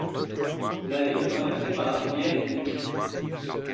La ville est traversée par la rivière Elk.